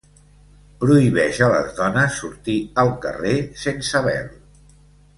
Prohibeix a les dones sortir al carrer sense vel.